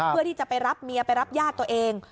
เพื่อที่จะไปรับเมียไปรับญาติตัวเอง